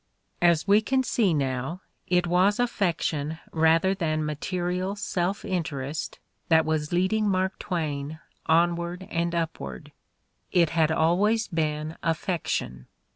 As we can see now, it was affection rather than ma terial self interest that was leading Mark Twain on ward and upward. It had always been affection